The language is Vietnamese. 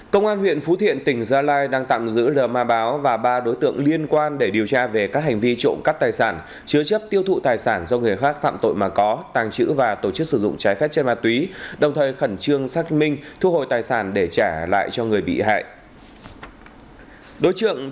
công an huyện phú thiện tỉnh gia lai đang tạm giữ rờ ma báo và ba đối tượng liên quan để điều tra về các hành vi trộm cắt tài sản chứa chấp tiêu thụ tài sản do người khác phạm tội mà có tàng trữ và tổ chức sử dụng trái phép trên ma túy đồng thời khẩn trương xác minh thu hồi tài sản để trả lại cho người bị hại